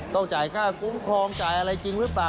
ต้องจ่ายค่าคุ้มครองจ่ายอะไรจริงหรือเปล่า